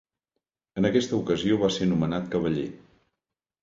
En aquesta ocasió va ser nomenat cavaller.